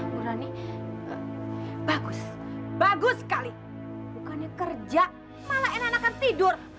murani bagus bagus sekali bukannya kerja malah enakan tidur